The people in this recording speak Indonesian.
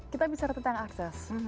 kita bicara tentang akses